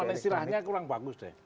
kalau istilahnya kurang bagus deh